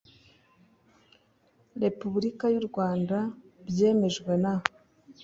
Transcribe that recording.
repubulika y u rwanda byemejwe na